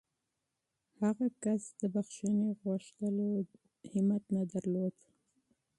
هغه کس د بښنې غوښتلو جرات نه درلود.